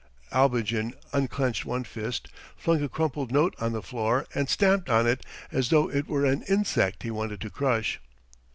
Abogin unclenched one fist, flung a crumpled note on the floor, and stamped on it as though it were an insect he wanted to crush.